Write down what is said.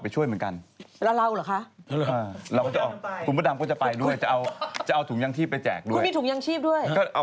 ไม่เขาพักมาเราก็เอาไปไปช่วยเขา